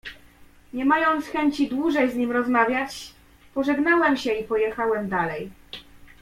"Nie mając chęci dłużej z nim rozmawiać, pożegnałem się i pojechałem dalej."